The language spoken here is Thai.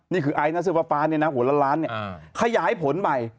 นี่คือไอซ์นะเสื้อฟ้าเนี่ยนะหัวล้านเนี่ยขยายผลใหม่